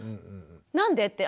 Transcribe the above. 何で？って。